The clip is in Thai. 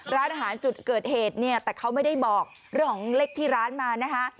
ร้านอาหารจุดเกิดเหตุเนี่ยแต่เขาไม่ได้บอกเรื่องของเลขที่ร้านมานะคะ